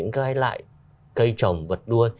các loại cây trồng vật đuôi